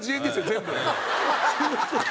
全部。